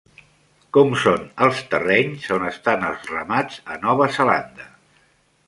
Com són els terrenys on estan els ramats a Nova Zelanda?